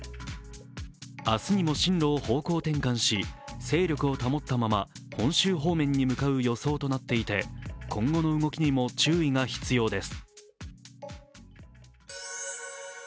明日にも進路を方向転換し勢力を保ったまま本州方面に向かう予想となっていて今後の動きにも注意が必要です。